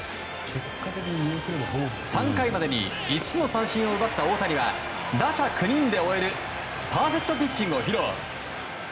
３回までに５つの三振を奪った大谷は打者９人で終えるパーフェクトピッチングを披露。